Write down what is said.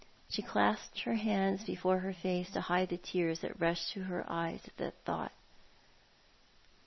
She clasped her hands before her face to hide the tears that rushed to her eyes at that thought.